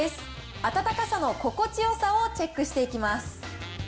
暖かさの心地よさをチェックしていきます。